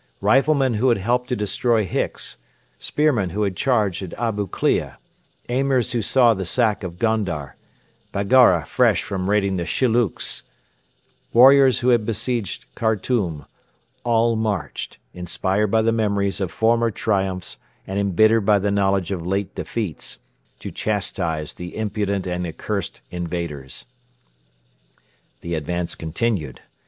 Riflemen who had helped to destroy Hicks, spearmen who had charged at Abu Klea, Emirs who saw the sack of Gondar, Baggara fresh from raiding the Shillooks, warriors who had besieged Khartoum all marched, inspired by the memories of former triumphs and embittered by the knowledge of late defeats, to chastise the impudent and accursed invaders. The advance continued.